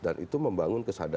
dan itu membangun kesadaran kondisi